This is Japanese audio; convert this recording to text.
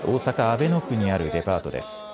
阿倍野区にあるデパートです。